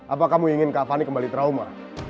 apa kamu ingin kak fani kembali trauma